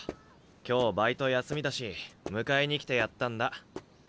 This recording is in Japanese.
今日バイト休みだし迎えに来てやったんだ。